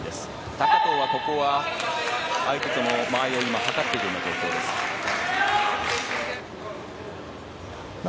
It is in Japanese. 高藤はここは相手との間合いを今、測っている状況です。